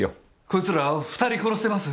こいつら２人殺してます。